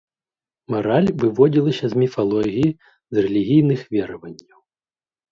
Мараль выводзілася з міфалогіі, з рэлігійных вераванняў.